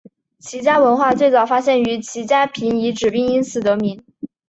齐家文化最早发现于齐家坪遗址并因此得名。